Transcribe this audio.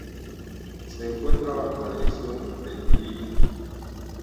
Se encuentra bajo la dirección del Lic.